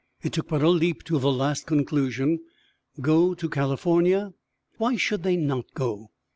It took but a leap to the last conclusion. Go to California? Why should they not go?